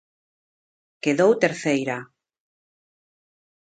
Quedou terceira.